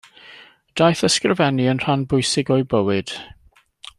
Daeth ysgrifennu yn rhan bwysig o'i bywyd.